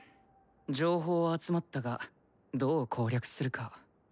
情報は集まったがどう攻略するか。